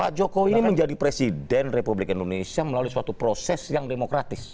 pak jokowi ini menjadi presiden republik indonesia melalui suatu proses yang demokratis